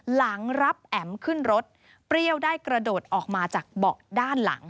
หลังรับแอ๋มขึ้นรถเปรี้ยวได้กระโดดออกมาจากเบาะด้านหลัง